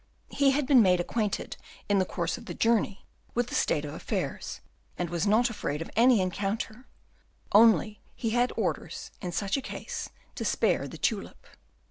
He had been made acquainted in the course of the journey with the state of affairs, and was not afraid of any encounter; only he had orders, in such a case, to spare the tulip.